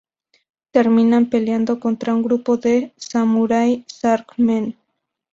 Terminan peleando contra un grupo de samurai Shark Men.